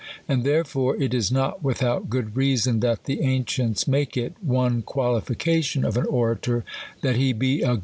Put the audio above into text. And therefore it is not without good reason, that the ancients make it one qualification of an orator, that he he o.